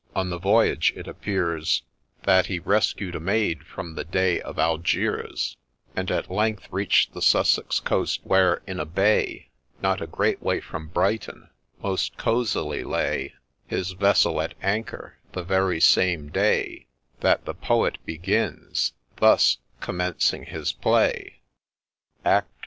— On the voyage it appears That he rescued a maid from the Dey of Algiers ; And at length reach'd the Sussex coast, where, in a bay Not a great way from Brighton, most cosey ly lay His vessel at anchor, the very same day That the Poet begins, — thus commencing his play : Acrl.